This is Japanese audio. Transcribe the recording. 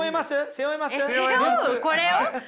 背負う？これを？